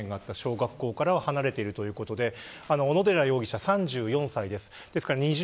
今回の事件があった小学校から離れているということですが小野寺容疑者、３４歳です。